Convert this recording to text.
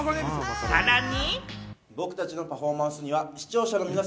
さらに。